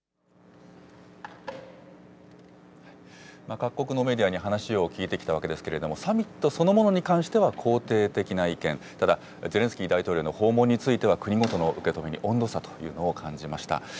各国のメディアに話を聞いてきたわけですけれども、サミットそのものに関しては肯定的な意見、ただ、ゼレンスキー大統領の訪問については、国ごとの受け止めに温度差というのを感じました。